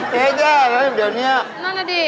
เทใจมันอืมเดียวนี้